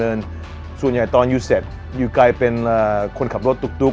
ส่วนใหญ่ตอนอยู่เสร็จอยู่ไกลเป็นคนขับรถตุ๊ก